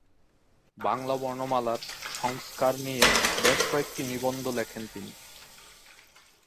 বাংলা বর্ণমালার সংস্কার নিয়ে বেশ কয়েকটি নিবন্ধ লেখেন তিনি।